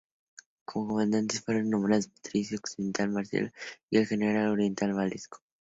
Como comandantes fueron nombrados el patricio occidental Marcelino y el general oriental Basilisco.